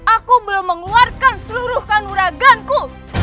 aku belum mengeluarkan seluruh kanuraganku